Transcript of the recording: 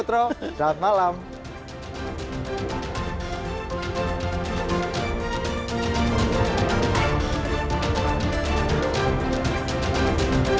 terima kasih prof vika